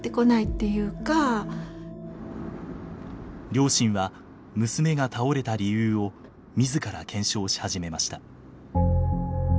両親は娘が倒れた理由を自ら検証し始めました。